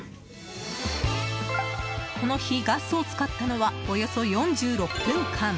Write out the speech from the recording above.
この日、ガスを使ったのはおよそ４６分間。